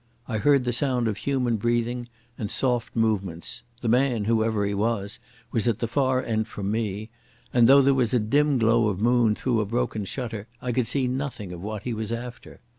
I heard the sound of human breathing and soft movements; the man, whoever he was, was at the far end from me, and though there was a dim glow of Moon through a broken shutter I could see nothing of what he was after.